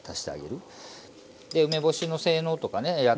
で梅干しの性能とかね